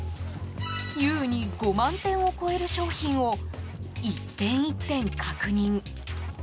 優に５万点を超える商品を１点１点確認。